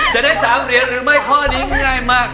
จะได้๓เหรียญหรือไม่ข้อนี้ง่ายมาก